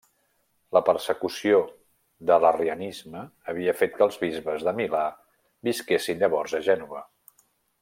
La persecució de l'arrianisme havia fet que els bisbes de Milà visquessin llavors a Gènova.